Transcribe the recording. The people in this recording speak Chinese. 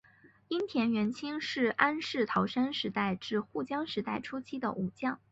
樱田元亲是安土桃山时代至江户时代初期的武将。